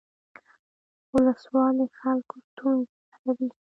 ولسوال د خلکو ستونزې حلوي